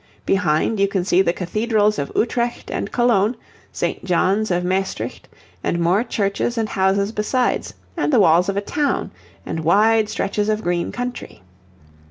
Behind, you can see the Cathedrals of Utrecht and Cologne, St. John's of Maestricht, and more churches and houses besides, and the walls of a town, and wide stretches of green country.